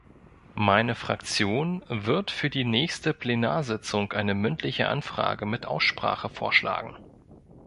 Meine Fraktion wird für die nächste Plenarsitzung eine mündliche Anfrage mit Aussprache vorschlagen.